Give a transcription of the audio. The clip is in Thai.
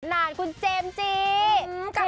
นานคุณเจมส์จีกลับมาเป็นไง